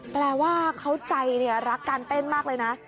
แปลว่าเขาใจรักการเต้นมากเลยนะ